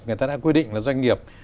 người ta đã quy định là doanh nghiệp